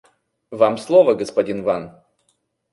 Вам слово, господин Ван.